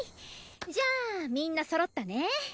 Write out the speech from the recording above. じゃあみんなそろったね。